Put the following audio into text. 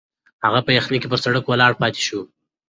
هغه په یخني کې پر سړک ولاړ پاتې شو.